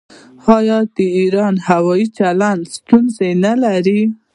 آیا د ایران هوايي چلند ستونزې نلري؟